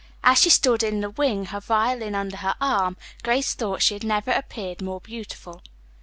As she stood in the wing her violin under her arm, Grace thought she had never appeared more beautiful.